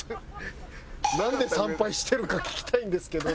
「なんで参拝してるか聞きたいんですけど」